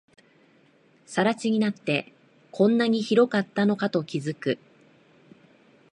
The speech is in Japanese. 更地になって、こんなに広かったのかと気づく